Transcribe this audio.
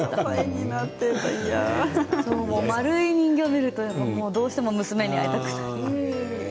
丸い人形を見るとどうしても娘に会いたくて。